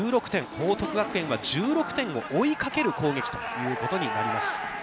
報徳学園は１６点を追いかける攻撃ということになります。